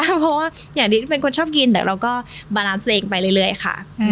เพราะว่าอย่างนี้เป็นคนชอบกินแต่เราก็บาลานซ์ตัวเองไปเรื่อยค่ะ